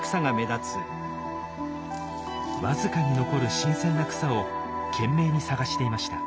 わずかに残る新鮮な草を懸命に探していました。